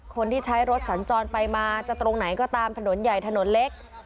คนที่ใช้รถสัญจรไปมาจะตรงไหนก็ตามถนนใหญ่ถนนเล็ก